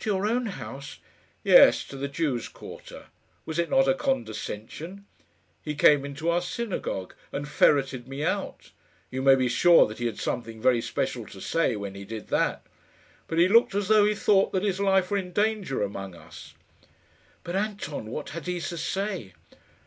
"To your own house?" "Yes; to the Jews' quarter. Was it not a condescension? He came into our synagogue and ferreted me out. You may be sure that he had something very special to say when he did that. But he looked as though he thought that his life were in danger among us." "But, Anton, what had he to say?"